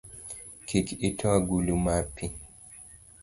Kik ito agulu mar pi